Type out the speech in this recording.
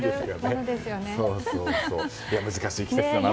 難しい季節だなと。